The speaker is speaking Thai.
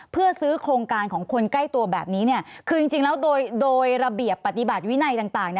เพื่อซื้อโครงการของคนใกล้ตัวแบบนี้คือจริงแล้วโดยระเบียบปฏิบัติวินัยต่าง